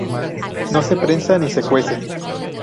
No se prensa ni se cuece.